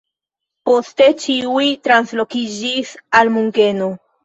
Poste ĉiuj translokiĝis al Munkeno.